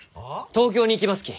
東京に行きますき。